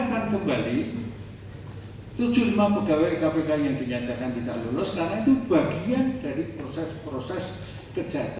kita akan kembali tujuh puluh lima pegawai kpk yang dinyatakan tidak lulus karena itu bagian dari proses proses kejahatan